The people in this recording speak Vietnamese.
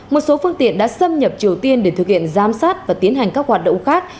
một số phương tiện đã xâm nhập triều tiên để thực hiện giám sát và tiến hành các hoạt động khác